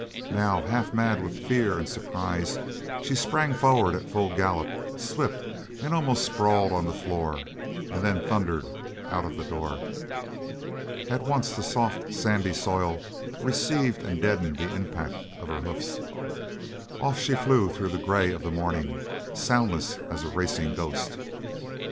Now, half mad with fear and surprise, she sprang forward at full gallop, slipped and almost sprawled on the floor, and then thundered out of the door. At once the soft sandy soil received and deadened the impact of her hoofs. Off she flew through the grey of the morning, soundless as a racing ghost.